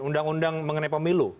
undang undang mengenai pemilu